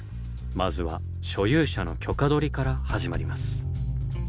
まずは所有者の許可取りから始まります。